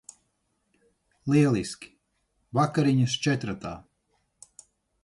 Lieliski. Vakariņas četratā.